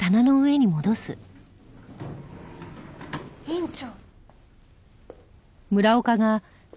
院長。